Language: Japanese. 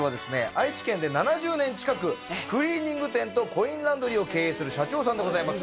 愛知県で７０年近くクリーニング店とコインランドリーを経営する社長さんでございます。